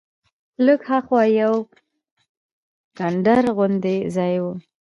لږ ها خوا یو کنډر غوندې ځای و.